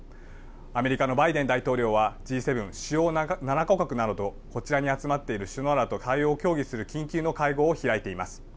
アメリカのバイデン大統領はＧ７・主要７か国などこちらに集まっている首脳らと対応を協議する緊急の会合を開いています。